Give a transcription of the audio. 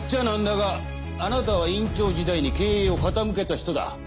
なんだがあなたは院長時代に経営を傾けた人だ。